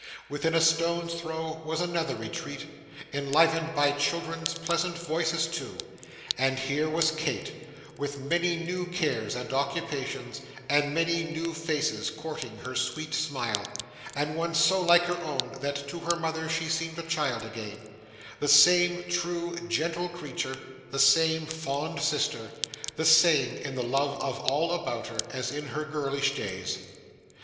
Within a stone's throw was another retreat, enlivened by children's pleasant voices too; and here was Kate, with many new cares and occupations, and many new faces courting her sweet smile (and one so like her own, that to her mother she seemed a child again), the same true gentle creature, the same fond sister, the same in the love of all about her, as in her girlish days.